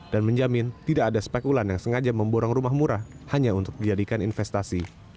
dan menjamin tidak ada spekulan yang sengaja memborong rumah murah hanya untuk dijadikan investasi